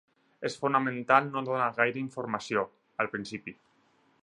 És fonamental no donar gaire informació, al principi.